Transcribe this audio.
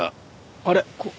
あれ？